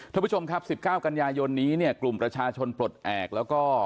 ท่านผู้ชมครับ๑๙กันยายนนี้เนี่ยกลุ่มประชาชนปลดแอบแล้วก็